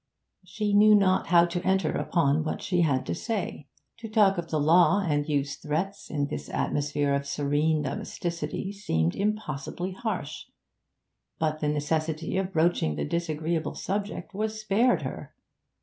She knew not how to enter upon what she had to say. To talk of the law and use threats in this atmosphere of serene domesticity seemed impossibly harsh. But the necessity of broaching the disagreeable subject was spared her.